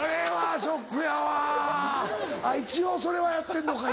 あぁ一応それはやってんのか。